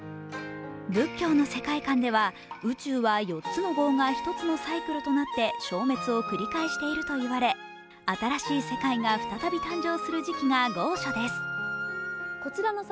仏教の世界観では宇宙は４つの劫が１つのサイクルとなって生滅を繰り返していると言われ新しい世界が再び誕生する時期が劫初です。